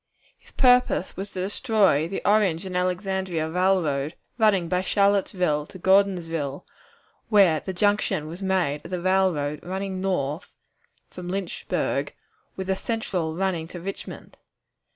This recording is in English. His purpose was to destroy the Orange and Alexandria Railroad, running by Charlottesville to Gordonsville, where the junction was made of the railroad running north from Lynchburg, with the Central running to Richmond.